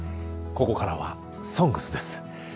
ここからは「ＳＯＮＧＳ」です。